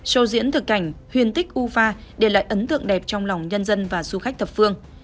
sâu diễn thực cảnh huyền tích uva để lại ấn tượng đẹp trong lòng nhân dân và du khách thập phương